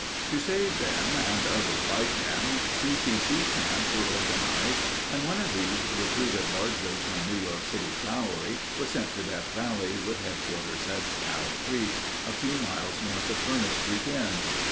To save them and others like them C.C.C. camps were organized and one of these recruited largely from New York City's Bowery, was sent to Death Valley with headquarters at Cow Creek, a few miles north of Furnace Creek Inn.